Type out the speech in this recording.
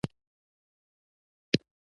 جرګمارو فيصله وکړه چې، شفيق مکلف دى.